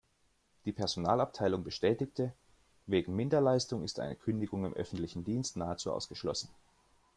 Die Personalabteilung bestätigte: Wegen Minderleistung ist eine Kündigung im öffentlichen Dienst nahezu ausgeschlossen.